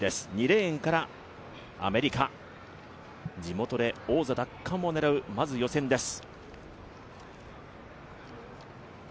２レーンアメリカ、地元で王座奪還を狙う予選です。